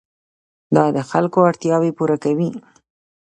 دا د خلکو اړتیاوې پوره کوي.